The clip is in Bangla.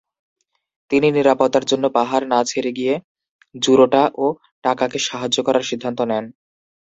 তিনি নিরাপত্তার জন্য পাহাড় ছেড়ে না গিয়ে জুরোটা ও টাকাকে সাহায্য করার সিদ্ধান্ত নেন।